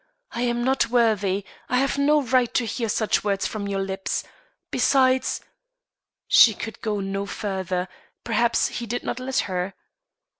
I am not worthy I have no right to hear such words from your lips. Besides " She could go no further; perhaps he did not let her.